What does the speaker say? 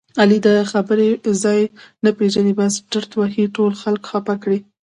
علي د خبرې ځای نه پېژني بس ډرت وهي ټول خلک خپه کړي.